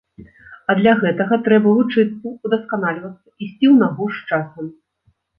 А для гэтага трэба вучыцца, удасканальвацца, ісці ў нагу з часам.